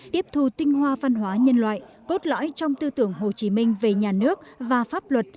tiếp thù tinh hoa văn hóa nhân loại cốt lõi trong tư tưởng hồ chí minh về nhà nước và pháp luật